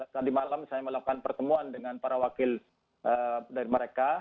tadi malam saya melakukan pertemuan dengan para wakil dari mereka